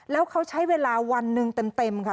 แล้วเขาใช้เวลาวันหนึ่งเต็มค่ะ